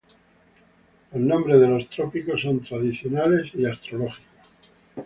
Los nombres de los trópicos son tradicionales y astrológicos.